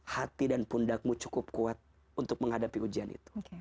hati dan pundakmu cukup kuat untuk menghadapi ujian itu